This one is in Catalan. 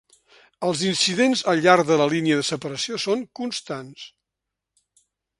Els incidents al llarg de la línia de separació són constants.